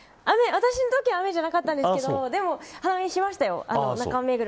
私のときは雨じゃなかったんですけどでも、お花見しましたよ。